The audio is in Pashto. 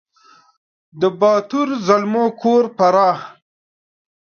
د باتور زلمو کور فراه